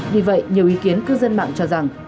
vì vậy nhiều ý kiến cư dân mạng cho rằng